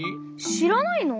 しらないの？